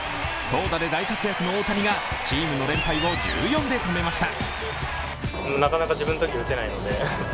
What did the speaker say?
投打で大活躍の大谷がチームの連敗を１４で止めました。